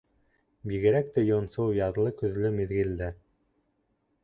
Бигерәк тә йонсоу яҙлы-көҙлө миҙгелдә.